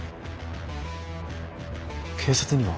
警察には？